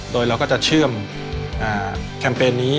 โดยเราก็จะเชื่อมแคมเปญนี้